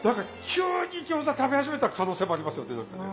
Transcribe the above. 急に餃子食べ始めた可能性もありますよね何かね。